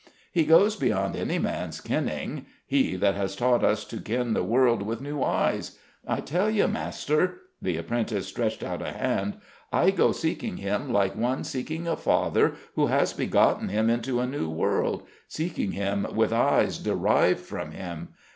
"He goes beyond any man's kenning: he that has taught us to ken the world with new eyes. I tell you, master," the apprentice stretched out a hand, "I go seeking him like one seeking a father who has begotten him into a new world, seeking him with eyes derived from him.